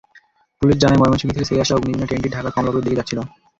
Police জানায়, ময়মনসিংহ থেকে ছেড়ে আসা অগ্নিবীণা ট্রেনটি ঢাকার কমলাপুরের দিকে যাচ্ছিল।